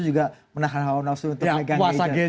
juga menahan haon nafsu untuk megang gadget